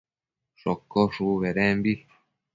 shocosh shubu bedembi